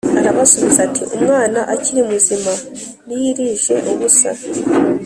Arabasubiza ati “Umwana akiri muzima niyirije ubusa